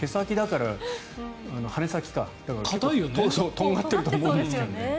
羽根先だからとんがってると思うんですけど。